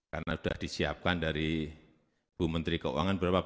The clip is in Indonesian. karena sudah disiapkan dari bu menteri keuangan berapa bu